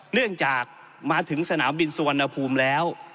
เนื่องจากมาถึงสนามบินสุวรรณภูมิแล้ว